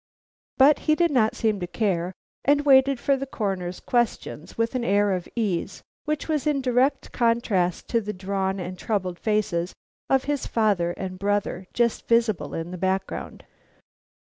But he did not seem to care, and waited for the Coroner's questions with an air of ease which was in direct contrast to the drawn and troubled faces of his father and brother just visible in the background.